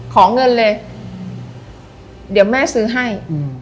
ขอเงินเลยเดี๋ยวแม่ซื้อให้อืม